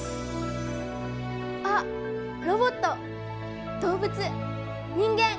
あっロボット動物人間！